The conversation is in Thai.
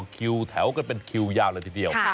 คิวแถวกันเป็นคิวยาวเลยทีเดียว